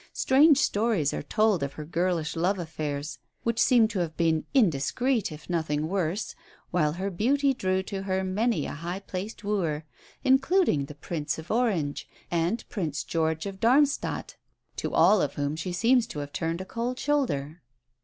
Strange stories are told of her girlish love affairs, which seem to have been indiscreet if nothing worse, while her beauty drew to her many a high placed wooer, including the Prince of Orange and Prince George of Darmstadt, to all of whom she seems to have turned a cold shoulder.